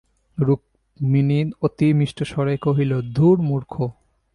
রুক্মিণী অতি মিষ্টস্বরে কহিল, দূর মূর্খ।